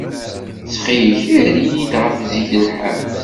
Ttxil-k, err-iyi-d ɣef zik lḥal.